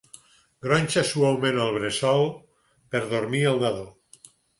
Gronxa suaument el bressol per dormir al nadó.